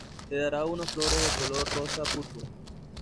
Te dará unas flores de color rosa-púrpura.